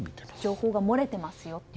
情報が漏れていますよと。